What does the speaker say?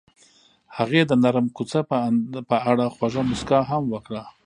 هغې د نرم کوڅه په اړه خوږه موسکا هم وکړه.